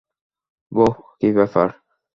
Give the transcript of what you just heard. বোহ, কী ব্যাপার?